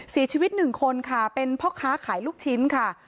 เสียชีวิตหนึ่งคนค่ะเป็นพ่อค้าขายลูกชิ้นค่ะ